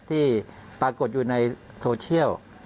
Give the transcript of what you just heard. ที่ปรากฏอยู่ในโซเชียล